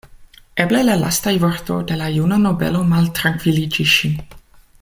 Eble la lastaj vortoj de la juna nobelo maltrankviligis ŝin.